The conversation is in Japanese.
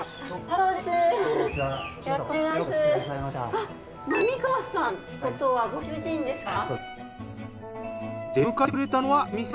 あっ浪川さんってことはご主人ですか？